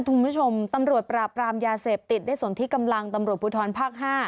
คุณผู้ชมตำรวจปราบรามยาเสพติดได้สนที่กำลังตำรวจภูทรภาค๕